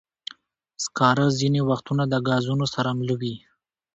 سکاره ځینې وختونه د ګازونو سره مله وي.